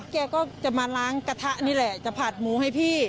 แกก็จะมาล้างกระทะนี่แหละจะผัดหมูให้พี่